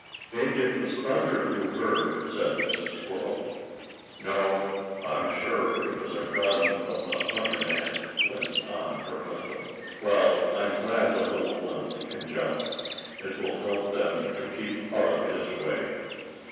"Maybe it was thunder you heard," said Mrs. Squirrel. "No, I'm sure it was the gun of the hunter man," went on her husband. "Well, I am glad the little ones can jump. It will help them to keep out of his way."